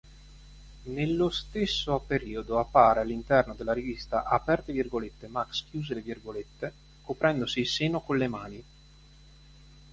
Nello stesso periodo appare all'interno della rivista "Max" coprendosi il seno con le mani.